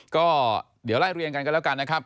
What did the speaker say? ก็เดี๋ยวไล่เรียงกันกันแล้วกันนะครับ